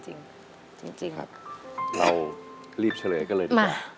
ต้องพาสนบรรย์